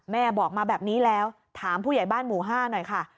แม่บอกมาแบบนี้แล้วถามผู้ใหญ่บ้านหมู่๕หน่อยค่ะ